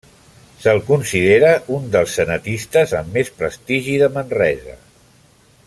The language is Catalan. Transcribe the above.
Se'l considera un dels cenetistes amb més prestigi de Manresa.